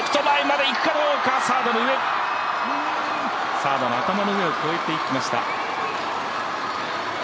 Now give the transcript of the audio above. サードの頭の上を越えていきました。